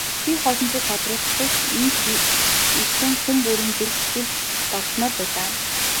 Хий хоосон сүр бадруулаагүй ч энд ирсэн хүн бүрийн зүрх сэтгэл догдолмоор байлаа.